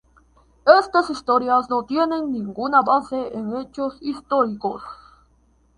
Estas historias no tienen ninguna base en hechos históricos.